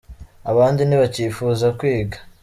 abandi ntibacyifuza kwiga.